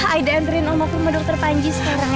aida anterin oma ke rumah dokter panji sekarang ya